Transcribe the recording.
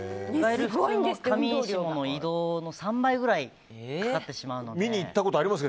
普通の上下の移動の３倍ぐらいかかってしまうので。